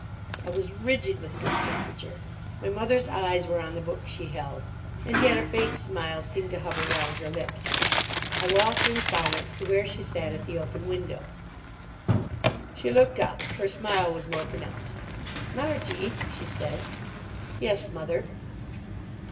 I was rigid with discomfiture. My mother's eyes were on the book she held. And yet a faint smile seemed to hover round her lips. I walked in silence to where she sat at the open window. She looked up. Her smile was more pronounced. "Margie," she said. "Yes, mother?"